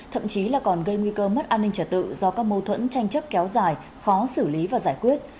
thậm chí là còn gây nguy cơ mất an ninh trả tự do các mâu thuẫn tranh chấp kéo dài khó xử lý và giải quyết